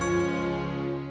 sini gue bantuin